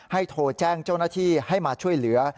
โทรแจ้งเจ้าหน้าที่ให้มาช่วยเหลือ